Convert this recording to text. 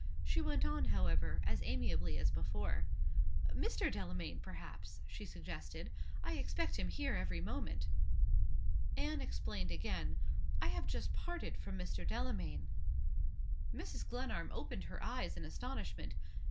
She went on, however, as amiably as before. "Mr. Delamayn, perhaps?" she suggested. "I expect him here every moment." Anne explained again. "I have just parted from Mr. Delamayn." Mrs. Glenarm opened her eyes in astonishment.